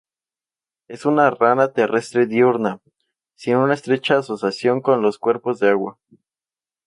Es una rana terrestre diurna, sin una estrecha asociación con los cuerpos de agua.